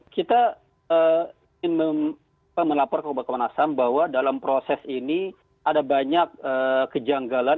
kita ingin melapor ke bapak komnas ham bahwa dalam proses ini ada banyak kejanggalan